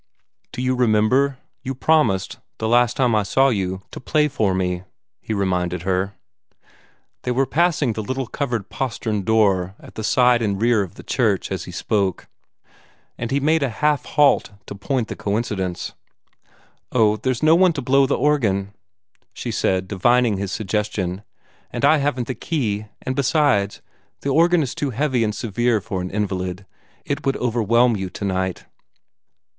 "Do you remember? You promised that last time I saw you to play for me," he reminded her. They were passing the little covered postern door at the side and rear of the church as he spoke, and he made a half halt to point the coincidence. "Oh, there's no one to blow the organ," she said, divining his suggestion. "And I haven't the key and, besides, the organ is too heavy and severe for an invalid. It would overwhelm you tonight."